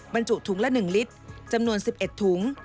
บรรจุถุงละ๑ลิตรจำนวน๑๑ถุง